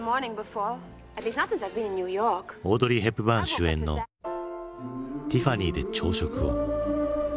オードリー・ヘプバーン主演の「ティファニーで朝食を」。